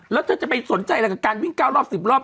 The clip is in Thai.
แล้วเธอจะไปสนใจอะไรกับการวิ่ง๙รอบ๑๐รอบ